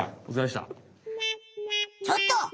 ちょっと！